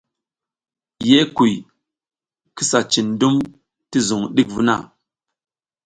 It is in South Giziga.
Ye kuy, kisa cin dum ti zung ɗik vuna.